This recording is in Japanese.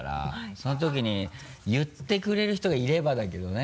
そのときに言ってくれる人がいればだけどね。